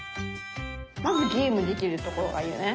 まずゲームできるところがいいよね。